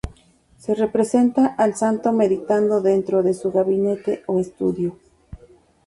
Se representa al santo meditando dentro de su gabinete o estudio.